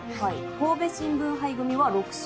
神戸新聞杯組は６勝。